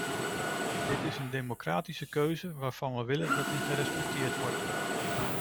Dit is een democratische keuze waarvan we willen dat die gerespecteerd wordt.